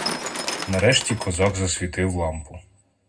Нарешті козак засвітив лампу.